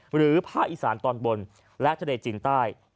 หรือภาคอีสานตอนบนและทะเลจีนใต้